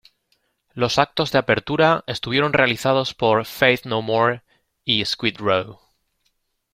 Los actos de apertura estuvieron realizados por Faith No More y Skid Row.